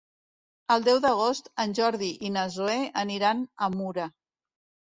El deu d'agost en Jordi i na Zoè aniran a Mura.